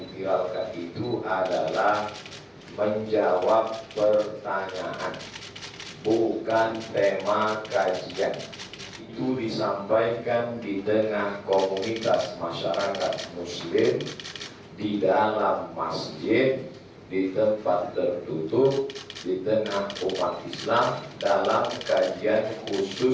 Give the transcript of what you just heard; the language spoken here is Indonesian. di tengah umat islam dalam kajian khusus waktu subuh